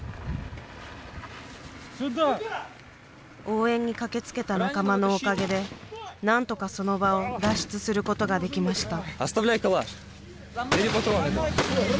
応援に駆けつけた仲間のおかげで何とかその場を脱出することができました。